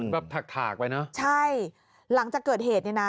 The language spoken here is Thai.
แบบถากถากไปเนอะใช่หลังจากเกิดเหตุเนี่ยนะ